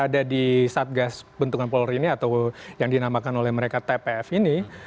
ada di satgas bentukan polri ini atau yang dinamakan oleh mereka tpf ini